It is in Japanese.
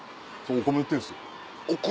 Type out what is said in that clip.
お米売ってんすよ。